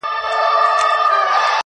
د تل لپاره.